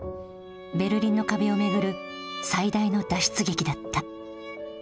ベルリンの壁を巡る最大の脱出劇だった。